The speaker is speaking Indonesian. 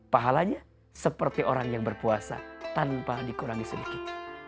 pahalanya seperti orang yang berpuasa tanpa dikurangi sedikit